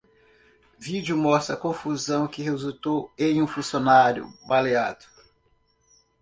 Vídeo mostra confusão que resultou em um funcionário baleado